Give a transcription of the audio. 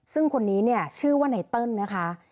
ซึ่งคนนี้ชื่อว่านายเติ้ลนะคะ